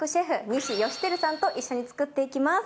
西芳照さんと一緒に作って行きます。